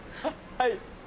はい。